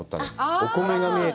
お米が見えて。